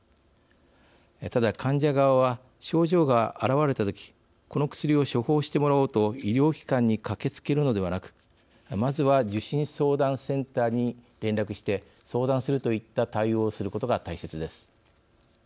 ただ、患者側は症状が現れた時この薬を処方してもらおうと医療機関に駆けつけるのではなくまずは、受診・相談センターに連絡して相談するといった対応をすることが大切です。